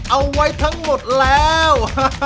เอาไว้ทั้งหมดแล้ว